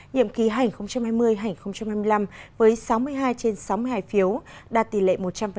nhiệm ký hành hai mươi hai nghìn hai mươi năm với sáu mươi hai trên sáu mươi hai phiếu đạt tỷ lệ một trăm linh